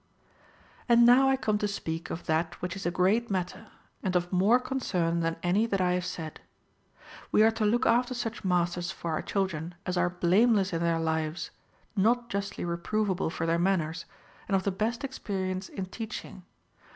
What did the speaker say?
And now I come to speak of that which is a greater matter, and of more concern than any that I have said. * See Plato, Repub. II. p. 377 C. 10 OF THE TRAINING OF CHILDREN. We are to look after such masters for our children as are blameless in their lives, not justly reprovable for their man ners, and of the best experience in teaching.